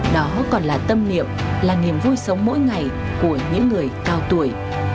đó còn là tâm niệm là niềm vui sống mỗi ngày của những người cao tuổi